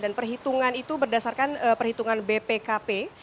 dan perhitungan itu berdasarkan perhitungan bpkp